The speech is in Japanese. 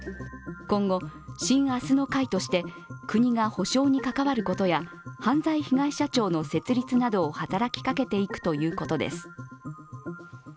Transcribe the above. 今後、新あすの会として国が補償に関わることや犯罪被害者庁の設立などを働きかけていくということです。